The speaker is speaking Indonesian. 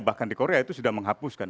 bahkan di korea itu sudah menghapuskan